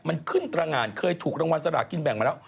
มันขึ้นตรงานเคยถูกรางวัลสลากินแบ่งมาแล้ว